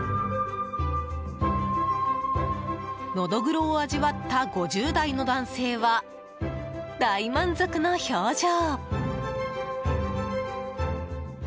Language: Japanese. ノドグロを味わった５０代の男性は、大満足の表情。